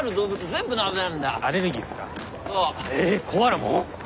ええコアラも？